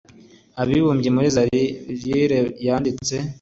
abibumbye muri zayire yanditse